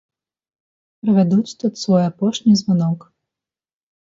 Правядуць тут свой апошні званок.